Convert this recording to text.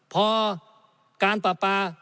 พอการปราปา